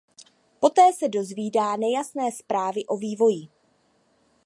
Poté se dozvídá nejasné zprávy o vývoji.